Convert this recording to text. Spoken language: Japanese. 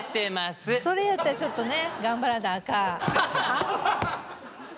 それやったらちょっとね頑張らなあかん。